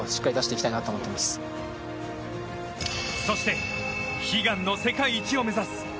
そして悲願の世界一を目指す